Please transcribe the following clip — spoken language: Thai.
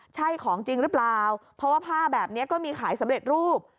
ใช่ของจริงหรือเปล่าเพราะว่าผ้าแบบนี้ก็มีขายสำเร็จรูป